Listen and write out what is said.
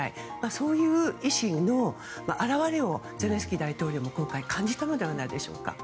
そういう意思の表れをゼレンスキー大統領も今回感じたのではないでしょうか。